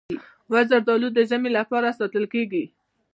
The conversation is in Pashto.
وچ زردالو د ژمي لپاره ساتل کېږي.